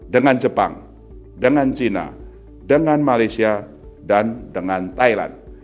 dengan jepang dengan cina dengan malaysia dan dengan thailand